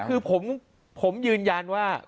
คือผมยืนยันว่า